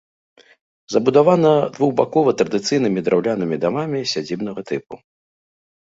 Забудавана двухбакова традыцыйнымі драўлянымі дамамі сядзібнага тыпу.